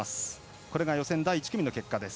予選第１組の結果です。